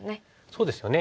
そうですよね。